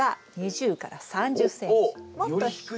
もっと低い。